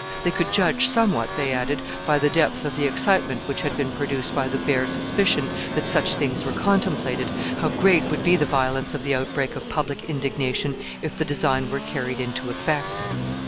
They could judge somewhat, they added, by the depth of the excitement which had been produced by the bare suspicion that such things were contemplated, how great would be the violence of the outbreak of public indignation if the design were carried into effect.